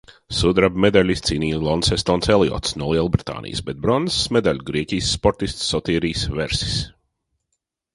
Sudraba medaļu izcīnīja Lonsestons Eliots no Lielbritānijas, bet bronzas medaļu Grieķijas sportists Sotirijs Versis.